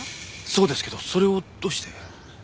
そうですけどそれをどうして？